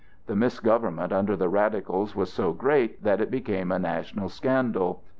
The misgovernment under the Radicals was so great that it became a national scandal.